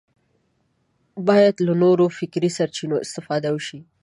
باید له نورو فکري سرچینو استفاده وشي